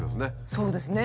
そうですね。